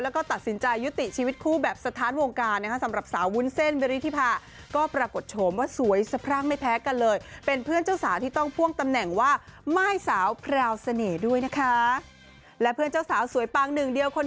แล้วก็ตัดสินใจยุติชีวิตคู่แบบสถานวงการนะสำหรับสาววุ้นเส้นเวรี่ธีพาก็ประกดโฉมว่าสวยสะพร่างไม่แพ้กันเลย